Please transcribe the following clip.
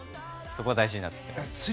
そこが大事になってきます。